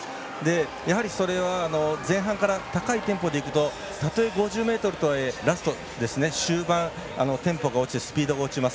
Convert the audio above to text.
やはり、それは前半から高いテンポでいくとたとえ５０ｍとはいえラストテンポが落ちてスピードが落ちます。